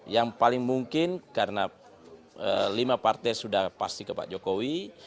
yang paling mungkin karena lima partai sudah pasti ke pak jokowi